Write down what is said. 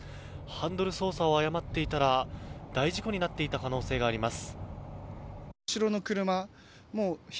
ハンドル操作を誤っていたら大事故になっていた可能性があります。